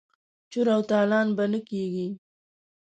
چور او تالان به نه کیږي.